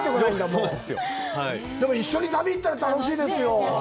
もうはいでも一緒に旅行ったら楽しいですよ